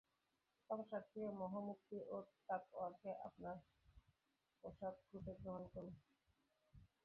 সংসার থেকে মোহমুক্তি ও তাকওয়াকে আপনার পোশাকরূপে গ্রহণ করুন।